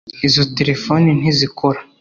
izo terefone ntizikora